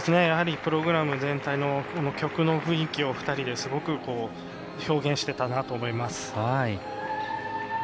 プログラム全体の曲の雰囲気を２人ですごく表現していたなと思います。